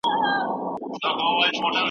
د ګودر سیوري ته به پل د سره سالو دروړمه